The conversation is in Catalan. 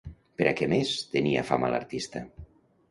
Per a què més tenia fama l'artista?